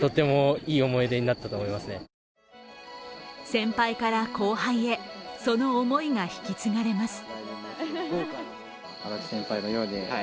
先輩から後輩へ、その思いが引き継がれます。